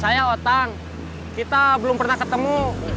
saya otang kita belum pernah ketemu